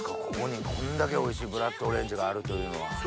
ここにこんだけおいしいブラッドオレンジがあるというのは。